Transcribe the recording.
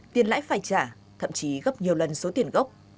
tiền lãi phải trả thậm chí gấp nhiều lần số tiền gốc